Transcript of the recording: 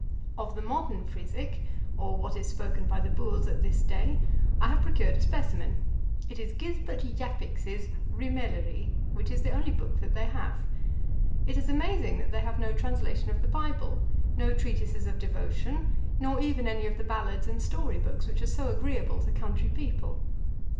Of the modern Frisick, or what is spoken by the boors at this day, I have procured a specimen. It is Gisbert Japix's Rymelerie, which is the only book that they have. It is amazing, that they have no translation of the bible, no treatises of devotion, nor even any of the ballads and storybooks which are so agreeable to country people.